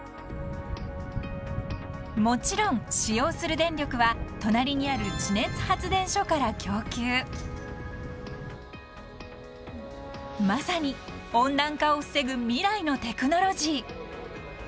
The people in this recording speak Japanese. もちろん使用する電力は隣にある地熱発電所から供給まさに温暖化を防ぐ未来のテクノロジー。